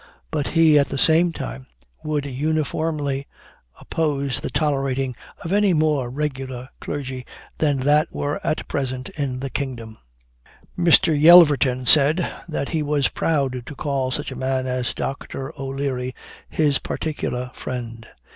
But he, at the same time, would uniformly oppose the tolerating any more regular clergy than what were at present in the kingdom. "Mr. Yelverton said, that he was proud to call such a man as Dr. O'Leary his particular friend.